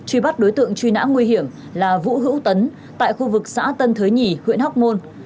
truy bắt đối tượng truy nã nguy hiểm là vũ hữu tấn tại khu vực xã tân thới nhì huyện hóc môn